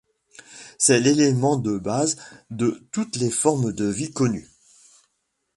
C'est l'élément de base de toutes les formes de vie connues.